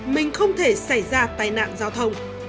mình không thể xảy ra tài nạn giao thông